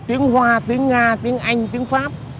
tiếng hoa tiếng nga tiếng anh tiếng pháp